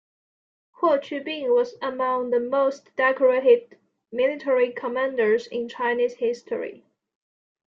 Huo Qubing was among the most decorated military commanders in Chinese history.